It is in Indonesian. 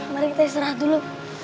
mari kita istirahat dulu